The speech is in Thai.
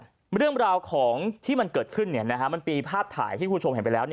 เรื่องราวของที่มันเกิดขึ้นมันมีภาพถ่ายที่คุณผู้ชมเห็นไปแล้ว